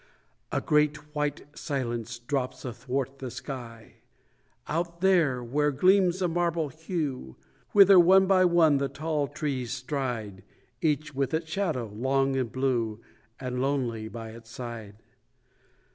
A great white silence drops athwart the sky, Out there where gleams a marble hue, Whither, one by one, the tall trees stride, Each with its shadow, long and blue And lonely, by its side.